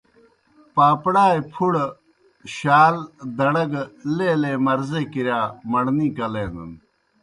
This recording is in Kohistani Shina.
پاپڑائے پُھڑہ شال، دڑہ گہ لیلے مرضے کِرِیا مڑنے کلینَن۔